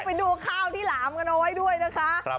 ไปดูข้าวที่หลามกันเอาไว้ด้วยนะคะ